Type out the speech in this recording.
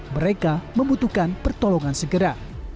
mereka membutuhkan pertolongan segera